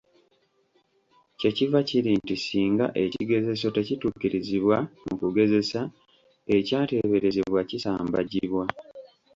Kye kiva kiri nti singa ekigezeso tekituukirizibwa mu kugezesa, ekyateeberezebwa kisambajjibwa.